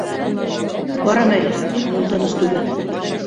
Барам әле, күңел тыныс түгел.